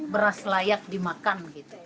beras layak dimakan